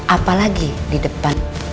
apalagi di depan